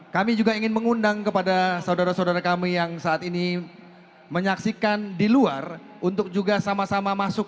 kami juga ingin mengundang kepada saudara saudara kami yang saat ini menyaksikan di luar untuk juga sama sama masuk